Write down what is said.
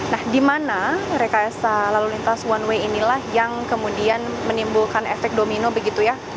nah di mana rekayasa lalu lintas one way inilah yang kemudian menimbulkan efek domino begitu ya